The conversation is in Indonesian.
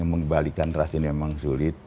membalikan trust ini memang sulit